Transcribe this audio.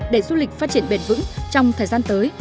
để du lịch phát triển bền vững trong thời gian tới